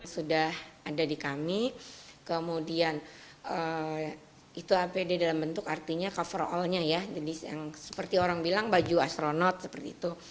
sudah ada di kami kemudian itu apd dalam bentuk artinya cover allnya ya jenis yang seperti orang bilang baju astronot seperti itu